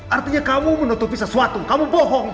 artinya kamu menutupi sesuatu kamu bohong